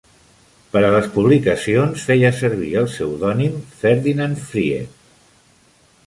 Per a les publicacions feia servir el pseudònim "Ferdinand Fried".